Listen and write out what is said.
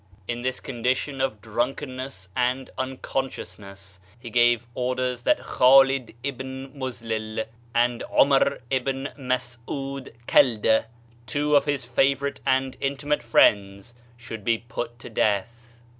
In this condition of drunkenness and un sciousness he gave orders that Khaled Ibn Muzlel, and Omar Ibn Mas'oud Kaldah, two of his favorite and intimate friends, should be put to death.